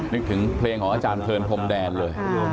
นึกถึงเพลงของอาจารย์เพลินพรมแดนเลย